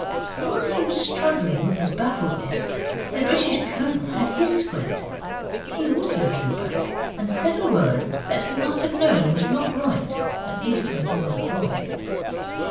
While he was struggling with his baffledness the British Colonel had his squint. He also drew back, and said a word that he must have known was not right at least when he was a boy.